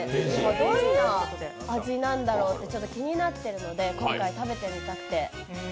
どんな味なんだろうってちょっと気になってるんで今回、食べてみたくて。